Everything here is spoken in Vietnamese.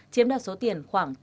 chiếm đạt số tiền khoảng tám tỷ đồng